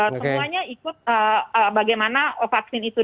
semuanya ikut bagaimana vaksin itu